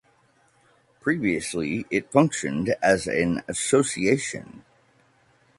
Previously it functioned as an association.